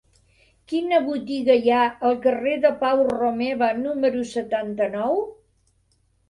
Quina botiga hi ha al carrer de Pau Romeva número setanta-nou?